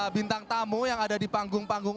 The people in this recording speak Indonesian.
bintang tamu yang ada di panggung panggung